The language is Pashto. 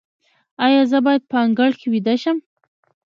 ایا زه باید په انګړ کې ویده شم؟